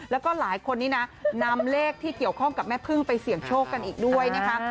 แล้วก็หลายคนนี้นะนำเลขที่เกี่ยวข้องกับแม่พึ่งไปเสี่ยงโชคกันอีกด้วยนะคะ